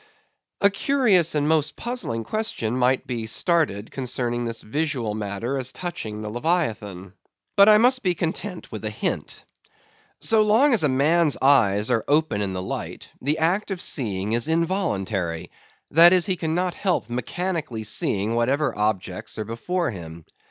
A curious and most puzzling question might be started concerning this visual matter as touching the Leviathan. But I must be content with a hint. So long as a man's eyes are open in the light, the act of seeing is involuntary; that is, he cannot then help mechanically seeing whatever objects are before him.